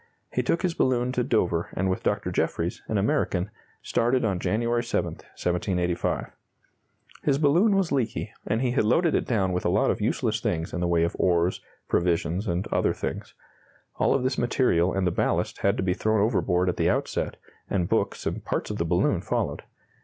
He took his balloon to Dover and with Dr. Jeffries, an American, started on January 7, 1785. His balloon was leaky and he had loaded it down with a lot of useless things in the way of oars, provisions, and other things. All of this material and the ballast had to be thrown overboard at the outset, and books and parts of the balloon followed.